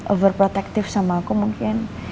overprotective sama aku mungkin